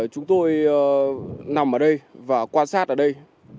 chúng tôi nằm ở đây và quan sát ở đây